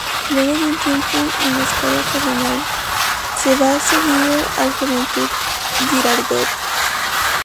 Luego de un tiempo en la escuadra cardenal, se va cedido al Juventud Girardot.